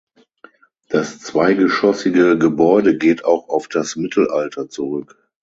Das zweigeschossige Gebäude geht auch auf das Mittelalter zurück.